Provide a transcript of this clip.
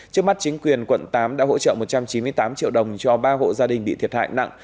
trước mắt chính quyền quận tám đã hỗ trợ một trăm chín mươi tám triệu đồng cho ba hộ gia đình bị thiệt hại nặng